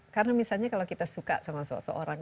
karena misalnya kalau kita suka sama seseorang